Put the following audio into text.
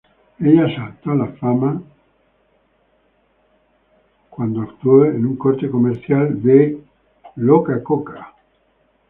Ella saltó a la fama cuando protagonizó para un corte comercial de "Cocacola".